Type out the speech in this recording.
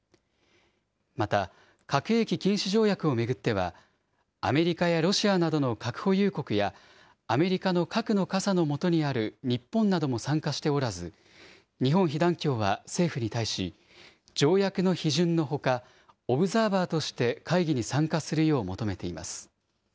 また核兵器禁止条約を巡っては、アメリカやロシアなどの核保有国や、アメリカの核の傘の下にある日本なども参加しておらず、日本被団協は政府に対し、条約の批准のほか、オブザーバーとして会議に参加するよう求めています。